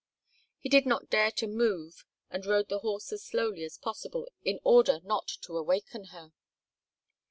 He did not dare to move and rode the horse as slowly as possible in order not to awaken her.